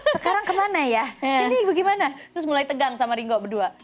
sekarang kemana ya ini bagaimana terus mulai tegang sama ringo berdua